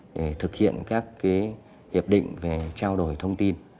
để thực hiện các hiệp định về trao đổi thông tin